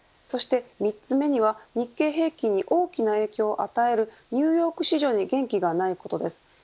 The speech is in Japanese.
そして３つ目には日経平均に大きな影響を与えるニューヨーク市場に元気がないことです。